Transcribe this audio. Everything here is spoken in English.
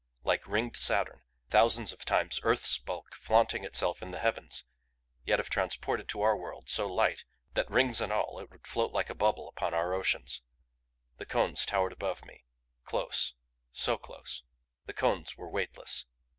Like ringed Saturn, thousands of times Earth's bulk, flaunting itself in the Heavens yet if transported to our world so light that rings and all it would float like a bubble upon our oceans. The Cones towered above me close, so close. The Cones were weightless.